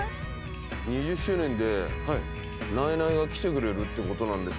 ２０周年でナイナイが来てくれるってことなんですけど。